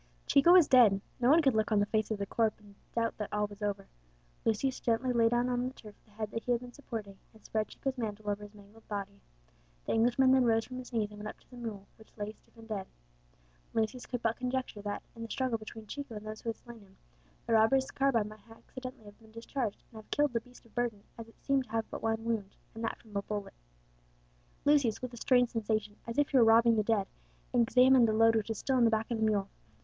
Chico was dead, no one could look on the face of the corpse and doubt that all was over. Lucius gently laid down on the turf the head that he had been supporting, and spread Chico's mantle over his mangled body. The Englishman then rose from his knees, and went up to the mule, which lay stiff and dead. Lucius could but conjecture that, in the struggle between Chico and those who had slain him, the robber's carbine might accidentally have been discharged and have killed the beast of burden, as it seemed to have but one wound, and that from a bullet. Lucius, with a strange sensation, as if he were robbing the dead, examined the load which was still on the back of the mule.